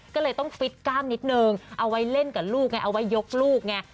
ก็เลยต้องฟิตกล้ามนิดนึงเอาไว้เล่นกับลูกไงเอาไว้ยกลูกไง